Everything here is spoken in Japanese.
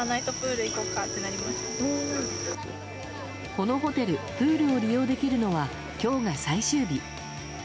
このホテル、プールを利用できるのは今日が最終日。